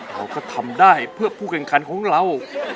เราก็ทำได้เพื่อผู้แข่งขันของเรา